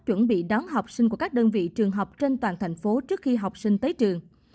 chuẩn bị đón học sinh của các đơn vị trường học trên toàn thành phố trước khi học sinh tới trường